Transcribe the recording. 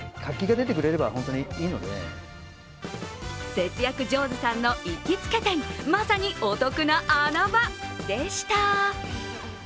節約上手さんの行きつけ店、まさにお得な穴場でした。